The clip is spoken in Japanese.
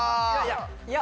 いや。